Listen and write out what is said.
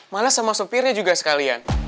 males sama sopirnya juga sekalian